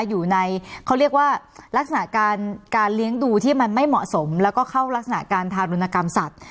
อยู่ในเขาเรียกว่าลักษณะการเลี้ยงดูที่มันไม่เหมาะสมแล้วก็เข้ารักษณะการทารุณกรรมสัตว